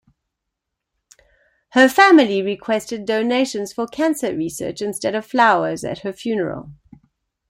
Her family requested donations for cancer research instead of flowers at her funeral.